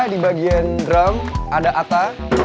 di bagian drum ada ata